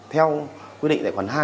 theo quy định tài khoản hai